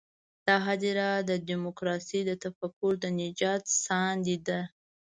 دا هدیره د ډیموکراسۍ د تفکر د نجات ساندې ده.